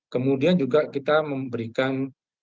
kemudian juga kita memberikan